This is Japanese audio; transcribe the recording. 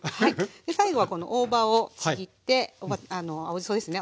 最後はこの大葉をちぎって青じそですね